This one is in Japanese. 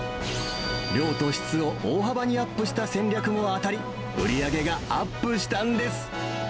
量と質を大幅にアップした戦略も当たり、売り上げがアップしたんです。